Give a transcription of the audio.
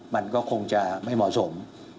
มันก็คงจะไม่เหมาะสม